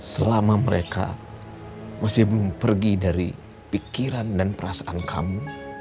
selama mereka masih belum pergi dari pikiran dan perasaan kamu